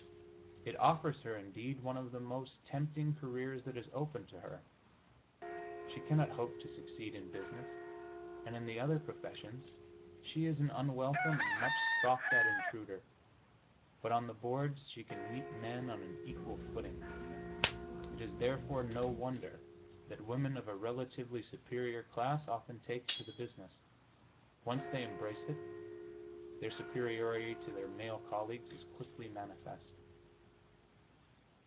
It offers her, indeed, one of the most tempting careers that is open to her. She cannot hope to succeed in business, and in the other professions she is an unwelcome and much scoffed at intruder, but on the boards she can meet men on an equal footing. It is, therefore, no wonder that women of a relatively superior class often take to the business.... Once they embrace it, their superiority to their male colleagues is quickly manifest.